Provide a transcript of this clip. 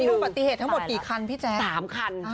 นี่คือปฏิเหตุทั้งหมดกี่คันพี่แจ๊ก๓คัน